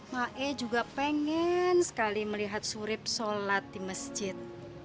ma'e juga pengen sekali melihat surib sholat di masjid